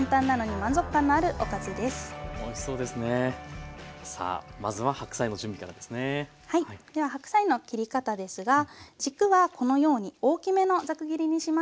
では白菜の切り方ですが軸はこのように大きめのザク切りにします。